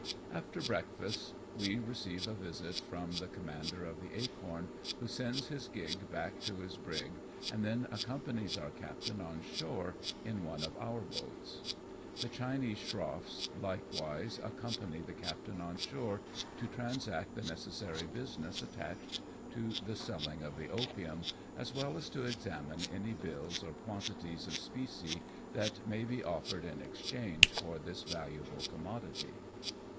After breakfast we receive a visit from the com mander of the Acorn, who sends his gig back to his brig, and then accompanies our captain on shore in one of our boats. The Chinese schroffs likewise accompany the captain on shore, to transact the necessary business attached to the selling of the opium, as well as to examine any bills or quantities of specie that may be offered in exchange for this valuable commodity.